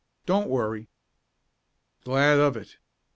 "Don't worry." "Glad of it.